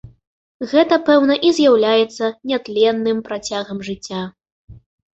Гэта, пэўна, і з'яўляецца нятленным працягам жыцця.